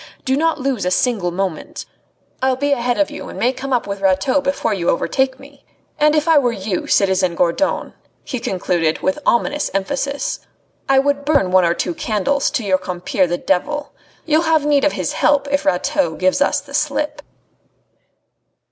Do not lose a single moment. I'll be ahead of you and may come up with Rateau before you overtake me. And if I were you, citizen Gourdon," he concluded, with ominous emphasis, "I would burn one or two candles to your compeer the devil. You'll have need of his help if Rateau gives us the slip."